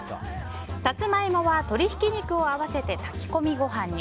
サツマイモは鶏ひき肉を合わせて炊き込みご飯に。